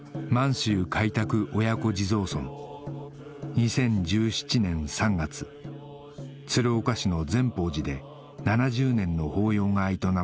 ２０１７年３月鶴岡市の善宝寺で７０年の法要が営まれました